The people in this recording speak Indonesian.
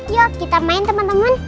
yuk kita main temen temen